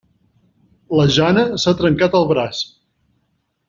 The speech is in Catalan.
La Jana s'ha trencat el braç.